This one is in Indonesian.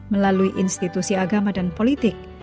melalui institusi agama dan politik